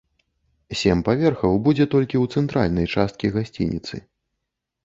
Сем паверхаў будзе толькі ў цэнтральнай часткі гасцініцы.